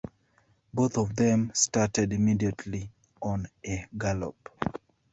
Both of them started immediately on a gallop.